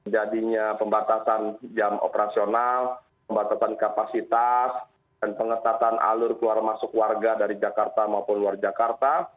jadinya pembatasan jam operasional pembatasan kapasitas dan pengetatan alur keluar masuk warga dari jakarta maupun luar jakarta